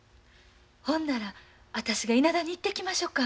ほんなら私が伊那谷行ってきましょか。